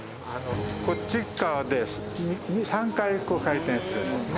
こっち側で３回回転するんですね。